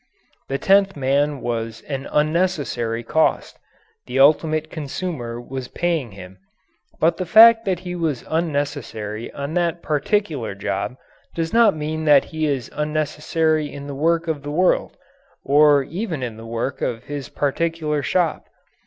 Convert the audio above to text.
The tenth man was an unnecessary cost. The ultimate consumer was paying him. But the fact that he was unnecessary on that particular job does not mean that he is unnecessary in the work of the world, or even in the work of his particular shop.